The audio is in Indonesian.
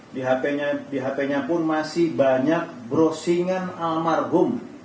di hp nya pun masih banyak browsingan almarhum